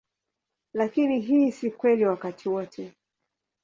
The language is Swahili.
Lakini hii si kweli wakati wote.